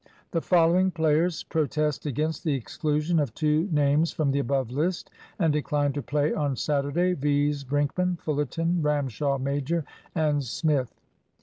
"The following players protest against the exclusion of two names from the above list, and decline to play on Saturday, viz., Brinkman, Fullerton, Ramshaw major, and Smith."